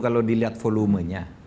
kalau dilihat volumenya